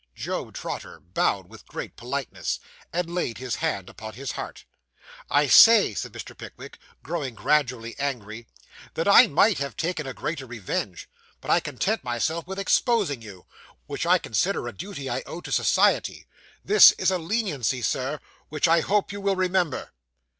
Job Trotter bowed with great politeness, and laid his hand upon his heart. 'I say,' said Mr. Pickwick, growing gradually angry, 'that I might have taken a greater revenge, but I content myself with exposing you, which I consider a duty I owe to society. This is a leniency, Sir, which I hope you will remember.